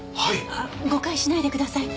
あっ誤解しないでください。